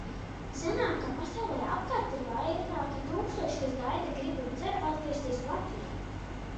Sanāk, ka pasaulē apkārt ir vairāki tūkstoši, kas gaida, grib un cer atgriezties Latvijā.